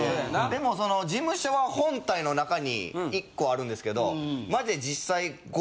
でもその事務所は本体の中に１個あるんですけどマジで。